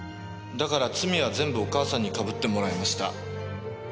だから罪は全部お母さんに被ってもらいました。